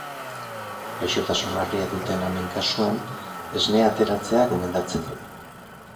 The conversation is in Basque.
Gaixotasun larria duten amen kasuan, esnea ateratzea gomendatzen du.